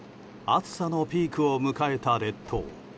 暑さのピークを迎えた列島。